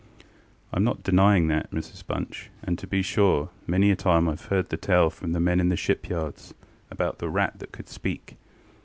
ŌĆØ ŌĆ£IŌĆÖm not denying that, Mrs Bunch; and, to be sure, many a time IŌĆÖve heard the tale from the men in the shipyards about the rat that could speak.